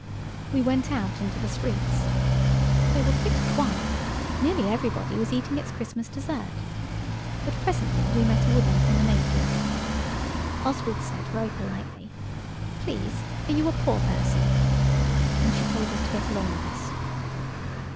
We went out into the streets. They were pretty quiet–nearly everybody was eating its Christmas dessert. But presently we met a woman in an apron. Oswald said very I politely– "Please, are you a poor person?" And she told us to get along with us.